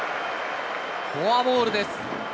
フォアボールです。